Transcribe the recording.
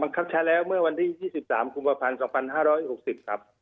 บังคับใช้แล้วเมื่อวันที่๒๓คุมภาพภัณฑ์๒๕๖๐ครับ